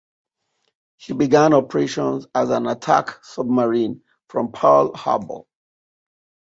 She began operations as an attack submarine from Pearl Harbor.